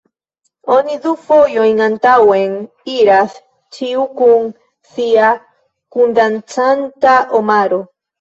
Oni du fojojn antaŭen iras, ĉiu kun sia kundancanta omaro.